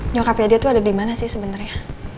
nyokapnya dia tuh ada dimana sih sebenernya